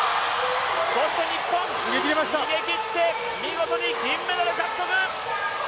そして日本逃げ切って見事に銀メダル獲得！